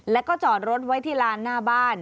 แล้วก็จอดรถไว้ที่ลานหน้าบ้าน